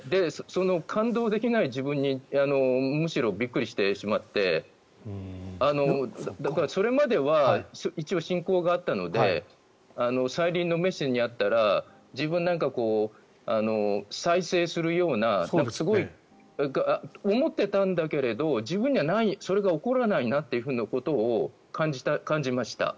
その感動できない自分にむしろびっくりしてしまってだから、それまでは一応、信仰があったので再臨のメシアに会ったら自分なんか再生するようなすごい思っていたんだけれど自分にはそれが起こらないなということを感じました。